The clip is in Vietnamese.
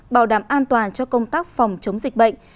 bảo đảm an toàn cho công tác phòng chống dịch bệnh